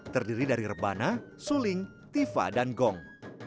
terdiri dari rebana suling tifa dan gong